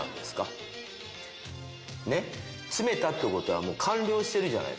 詰めたってことは完了してるじゃないですか。